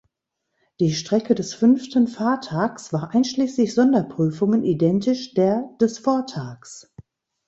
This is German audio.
Die Strecke des fünften Fahrtags war einschließlich Sonderprüfungen identisch der des Vortags.